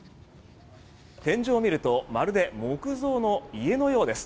天井を見るとまるで木造の家のようです。